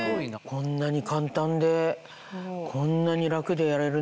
こんなに簡単でこんなに楽でやれるんだったら。